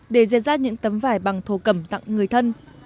để diệt ra những tấm vải bằng thổ cẩm tặng người thân